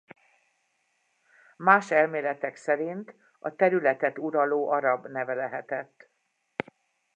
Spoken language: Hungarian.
Más elméletek szerint a területet uraló arab neve lehetett.